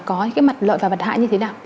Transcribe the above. có cái mặt lợi và mặt hại như thế nào